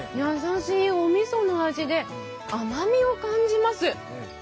優しいおみその味で甘味を感じます。